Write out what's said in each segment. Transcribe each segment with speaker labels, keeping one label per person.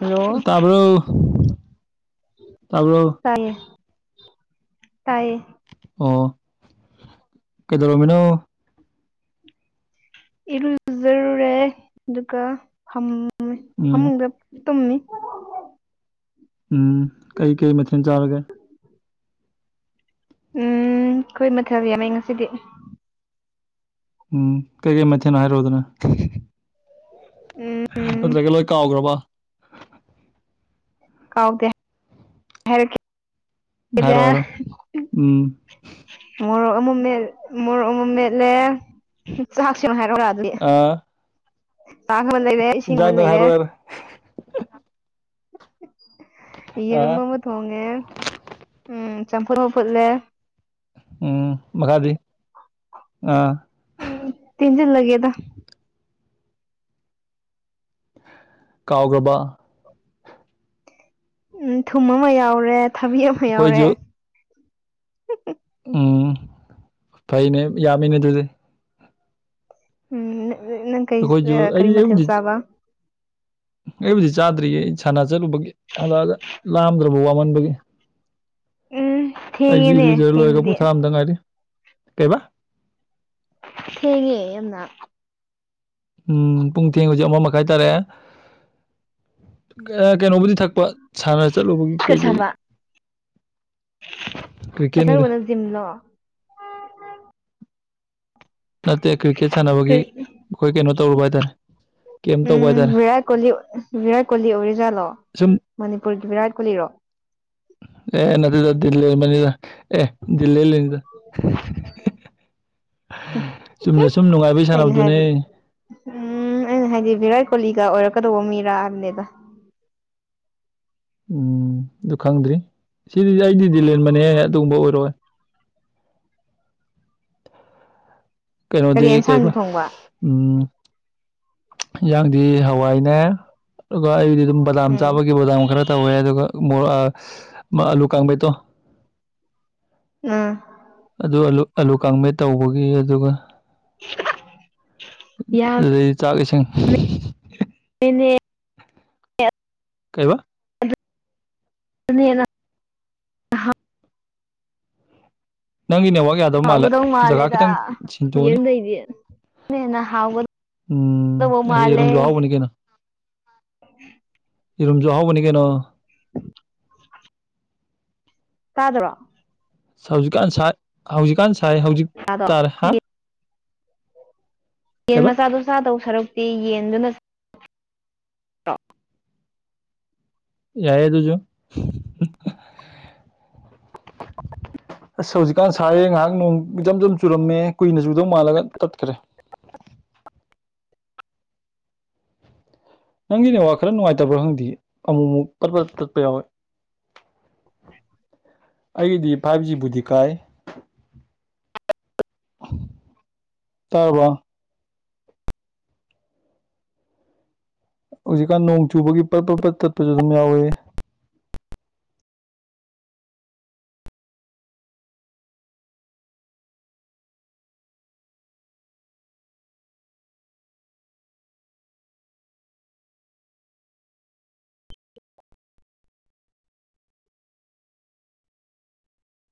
Speaker 1: Hello
Speaker 2: ꯇꯕꯔ ꯇꯕꯔ꯫
Speaker 1: ꯇꯥꯏꯌꯦ ꯇꯥꯏꯌꯦ꯫
Speaker 2: ꯑꯣ ꯀꯩꯗꯧꯔꯃꯤꯅꯣ꯫
Speaker 1: ꯏꯔꯨꯨꯖꯔꯨꯔꯦ ꯑꯗꯨꯒ ꯐꯝ
Speaker 2: ꯎꯝ
Speaker 1: ꯐꯃꯨꯡꯗ꯫ ꯇꯨꯝꯃꯤ꯫
Speaker 2: ꯎꯝ ꯀꯩ ꯀꯩ ꯃꯊꯦꯜ ꯆꯥꯔꯒꯦ꯫
Speaker 1: ꯎꯝ ꯑꯩꯈꯣꯏ ꯃꯊꯦꯜ ꯌꯥꯝꯃꯦ ꯉꯁꯤꯗꯤ꯫
Speaker 2: ꯎꯝ ꯀꯩꯀꯩ ꯃꯊꯦꯜꯅꯣ ꯍꯥꯏꯔꯣꯗꯅ꯫
Speaker 1: ꯎꯝ
Speaker 2: ꯅꯠꯇ꯭ꯔꯒ ꯂꯣꯏ ꯀꯥꯎꯈ꯭ꯔꯕ꯫
Speaker 1: ꯀꯥꯎꯗꯦ꯫
Speaker 2: ꯍꯥꯏꯔꯣ ꯍꯥꯏꯔꯣ ꯎꯝ
Speaker 1: [unintelligible] ꯃꯣꯔꯣꯛ ꯑꯃꯨꯛ ꯃꯦ ꯃꯣꯔꯣꯛ ꯑꯃꯨꯛ ꯃꯦꯠꯂꯦ ꯆꯥ꯫
Speaker 2: ꯑ
Speaker 1: [unintelligible] ꯇꯥꯒꯕ ꯂꯩꯔꯦ ꯁꯤ ꯃꯝ
Speaker 2: ꯏꯟꯖꯥꯡꯗꯪ
Speaker 1: ꯂꯩꯔꯦ꯫
Speaker 2: ꯍꯥꯏꯔꯣ ꯌꯥꯔꯦ ꯑ
Speaker 1: ꯌꯦꯔꯨꯝ ꯑꯃ ꯊꯣꯡꯉꯦ ꯎꯝ ꯆꯝꯐꯨꯠ ꯑꯃ ꯐꯨꯠꯂꯦ꯫
Speaker 2: ꯎꯝ ꯃꯈꯥꯗꯤ ꯑꯥ꯫
Speaker 1: ꯇꯦꯝꯁꯤꯟꯂꯒꯦꯗ꯫
Speaker 2: ꯀꯥꯎꯈꯔꯥꯕ꯫
Speaker 1: ꯎꯝ ꯊꯨꯝ ꯑꯃ ꯌꯥꯎꯔꯦ ꯊꯕꯤ ꯑꯃ ꯌꯥꯎꯔꯦ꯫
Speaker 2: ꯑꯩꯈꯣꯏꯁꯨ ꯎꯝ ꯐꯩꯅꯦ ꯌꯥꯝꯃꯤꯅꯦ ꯑꯗꯨꯗꯤ꯫
Speaker 1: ꯎꯝ ꯅꯪ ꯀꯩ
Speaker 2: ꯑꯩꯈꯣꯏꯁꯨ
Speaker 1: ꯀꯔꯤ
Speaker 2: ꯑꯩ
Speaker 1: ꯃꯊꯦꯜ
Speaker 2: ꯑꯩꯕꯨꯗꯤ
Speaker 1: ꯆꯥꯕ꯫
Speaker 2: ꯑꯩꯕꯨꯗꯤ ꯆꯥꯗ꯭ꯔꯤꯌꯦ ꯑꯩ ꯁꯥꯟꯅ ꯆꯠꯂꯨꯕꯒꯤ ꯍꯜꯂꯛꯑꯒ ꯂꯥꯝꯗ꯭ꯔꯕ ꯋꯥꯃꯟꯕꯒꯤ꯫
Speaker 1: ꯎꯝ꯫
Speaker 2: ꯑꯩꯁꯦ
Speaker 1: ꯊꯦꯡꯉꯦꯅꯦ
Speaker 2: ꯏꯔꯨꯖ ꯂꯣꯏꯔꯒ
Speaker 1: ꯊꯦꯡꯕꯗꯤ
Speaker 2: ꯄꯣꯊꯥꯕꯗ ꯉꯥꯏꯔꯤ ꯀꯩꯕꯥ꯫
Speaker 1: ꯊꯦꯡꯉꯦ ꯌꯥꯝꯅ꯫
Speaker 2: ꯎꯝ ꯄꯨꯡꯊꯦꯡ ꯍꯧꯖꯤꯛ ꯑꯃ ꯃꯈꯥꯏ ꯇꯥꯔꯦꯑꯦ꯫ ꯀꯩꯅꯣꯕꯨꯗꯤ ꯊꯛꯄ ꯁꯥꯟꯅ ꯆꯠꯂꯨꯕꯒꯤ ꯀꯩ ꯀꯩ꯫
Speaker 1: ꯀꯊꯔꯨꯕꯅ ꯖꯤꯝꯅꯣ꯫
Speaker 2: ꯅꯠꯇꯦ ꯀ꯭ꯔꯤꯀꯦꯠ ꯁꯥꯟꯅꯕꯒꯤ
Speaker 1: ꯀꯔꯤ
Speaker 2: ꯑꯩꯈꯣꯏ ꯀꯩꯅꯣ ꯇꯧꯔꯨꯕ ꯍꯥꯏꯇꯥꯔꯦ꯫ ꯀꯦꯝ ꯇꯧꯕ ꯍꯥꯏꯇꯥꯔꯦ
Speaker 1: ꯎꯝ ꯔꯠ ꯀꯣꯂꯤ ꯔꯥꯠ ꯀꯣꯜꯂꯤ ꯑꯣꯔꯤꯖꯥ ꯂ꯫
Speaker 2: ꯁꯨꯝ
Speaker 1: ꯃꯅꯤꯄꯨꯔꯒꯤ ꯚꯤꯔꯥꯠ ꯀꯣꯂꯤꯔꯣ꯫
Speaker 2: ꯑꯦ ꯅꯗꯜꯂꯤ ꯃꯅꯤꯗ ꯑꯦꯜꯂꯤ ꯂꯅꯤꯗ꯫ ꯆꯨꯝꯅ ꯁꯨꯝ ꯅꯨꯡꯉꯥꯏꯕꯩ
Speaker 1: ꯑꯩꯅ
Speaker 2: ꯁꯥꯟꯅꯕꯗꯨꯅꯦ꯫
Speaker 1: ꯍꯥꯏꯕꯗꯤ ꯎꯝ ꯑꯩꯅ ꯍꯥꯏꯗꯤ ꯚꯤꯔꯥꯠ ꯀꯣꯂꯤꯒ ꯑꯣꯏꯔꯛꯀꯗꯧꯕ ꯃꯤꯔꯥꯕꯅꯦꯗ꯫
Speaker 2: ꯎꯝ ꯑꯗꯨ ꯈꯪꯗ꯭ꯔꯤ ꯁꯤꯗꯤ ꯑꯩꯗꯤ ꯗꯤꯜ ꯂꯦꯟꯕꯅꯦ ꯑꯗꯨꯒꯨꯝꯕ ꯑꯣꯏꯔꯣꯏ꯫
Speaker 1: ꯀꯔꯤ
Speaker 2: ꯀꯩꯅꯣꯗꯤ
Speaker 1: ꯑꯦꯟꯁꯥꯡꯗꯤ
Speaker 2: ꯀꯩꯕ
Speaker 1: ꯊꯣꯡꯕ
Speaker 2: ꯎꯝ꯫ ꯍꯟꯌꯥꯥꯡꯗꯤ ꯍꯋꯥꯏꯅꯦ ꯑꯗꯨꯒ ꯑꯩꯗꯤ꯫ ꯑꯗꯨꯝ ꯕꯗꯥꯝ
Speaker 1: ꯎꯝ
Speaker 2: ꯆꯥꯕꯒꯤ ꯕꯗꯥꯝ ꯈꯔ ꯇꯧꯋꯦ ꯑꯗꯨꯒ꯫ ꯂꯨ ꯀꯥꯡꯃꯦꯠ ꯇꯣ꯫
Speaker 1: ꯎꯝ꯫
Speaker 2: ꯑꯗꯨ ꯑꯂꯨ ꯑꯂꯨ ꯀꯪꯃꯦ ꯇꯧꯕꯒꯤ ꯑꯗꯨꯒ꯫ ꯂꯩ ꯆꯥꯒꯁꯤꯡ꯫
Speaker 1: ꯑꯅꯦ꯫
Speaker 2: ꯀꯩꯕ꯫
Speaker 1: [unintelligible]
Speaker 2: ꯅꯪꯒꯤ ꯅꯦꯋꯥꯛ ꯌꯥꯗꯕ ꯃꯥꯜꯂꯦ
Speaker 1: ꯍꯥꯎꯒꯗꯧ
Speaker 2: ꯖꯒꯥ
Speaker 1: ꯃꯥꯜꯂꯦꯗ
Speaker 2: ꯈꯤꯇꯪ ꯁꯤꯟꯗꯣꯛꯑꯅꯦ
Speaker 1: ꯌꯦꯟꯗꯩꯗꯤ ꯑꯗꯨꯅ ꯍꯦꯟꯅ ꯍꯥꯎꯒꯗꯧꯕ ꯃꯥꯜꯂꯦ
Speaker 2: ꯎꯝꯔꯝꯁꯨꯎꯕꯅꯤ ꯀꯦꯅ
Speaker 1: [unintelligible]
Speaker 2: ꯏꯔꯨꯝꯝꯁꯨꯍꯕꯅꯤ ꯀꯩꯅꯣ
Speaker 1: ꯎꯝ ꯇꯥꯗ꯭ꯔꯣ
Speaker 2: ꯍꯧꯖꯤꯛꯀꯥꯟꯥꯏ ꯍꯧꯖꯤꯛꯀꯥꯟ ꯁꯥꯏ ꯍꯧꯖꯤꯛ
Speaker 1: ꯆꯥꯗꯣ
Speaker 2: ꯇꯥꯔꯦ ꯍꯥ
Speaker 1: ꯌꯦꯟ
Speaker 2: ꯀꯩꯕ
Speaker 1: ꯃꯆꯥꯗꯨꯣ ꯆꯥꯗꯧ ꯁꯔꯨꯛꯇꯤ ꯌꯦꯟꯗꯨꯅ ꯇ
Speaker 2: ꯌꯥꯏꯌꯦ ꯇꯨꯁꯨ ꯑꯁ ꯍꯧꯖꯤꯛꯀꯥꯟ ꯁꯥꯥꯏꯔꯦ ꯉꯥꯏꯍꯥꯛ ꯅꯣꯡ ꯏꯆꯝ ꯆꯝ ꯆꯨꯔꯝꯃꯦ ꯀꯨꯏꯅ ꯆꯨꯗꯧ ꯃꯥꯜꯂꯒ ꯀꯠꯈ꯭ꯔꯦ
Speaker 1: [unintelligible]
Speaker 2: ꯅꯪꯒꯤꯅꯦ ꯋꯥ ꯈꯔ ꯅꯨꯡꯉꯥꯏꯇꯕ꯭ꯔꯥ ꯈꯪꯗꯦ ꯑꯃꯨꯛ ꯑꯃꯨꯛ ꯀꯠꯄ ꯇꯠꯄ ꯌꯥꯎꯋꯦ ꯑꯩꯒꯤꯗꯤ ꯐꯥꯏꯚ ꯖꯤꯕꯨꯗꯤ ꯀꯥꯏ ꯇꯥꯔꯕ ꯍꯧꯖꯤꯛꯀꯥꯟ ꯅꯣꯡ ꯆꯨꯕꯒꯤ ꯄꯠ ꯄ ꯄꯠ ꯇꯠꯄꯁꯨ ꯑꯗꯨꯝ ꯌꯥꯎꯋꯦ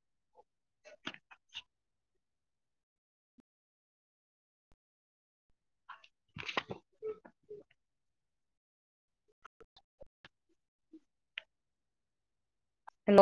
Speaker 1: [unintelligible] ꯍꯜꯂꯣ